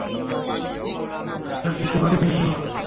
রাকিকে বাড়ি নিয়ে যাও।